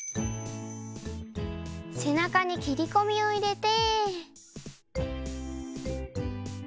せなかにきりこみをいれて。